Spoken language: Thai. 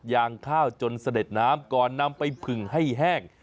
ยางข้าวจนเสด็จน้ำก่อนนำไปผึ่งให้แห้ง